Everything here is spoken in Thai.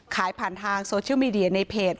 ขายผ่านทางโซเชียลมีเดียในเพจ